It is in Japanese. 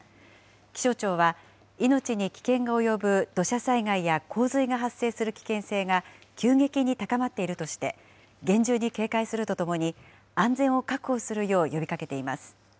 気象庁は命に危険が及ぶ土砂災害や洪水が発生する危険性が急激に高まっているとして、厳重に警戒するとともに、安全を確保するよう呼びかけています。